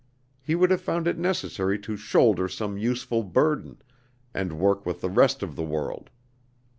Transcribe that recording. He would have found it necessary to shoulder some useful burden, and work with the rest of the world.